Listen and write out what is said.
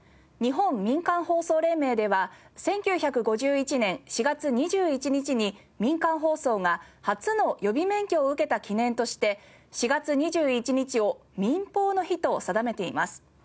日本民間放送連盟では１９５１年４月２１日に民間放送が初の予備免許を受けた記念として４月２１日を民放の日と定めています。